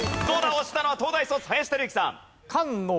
押したのは東大卒林輝幸さん。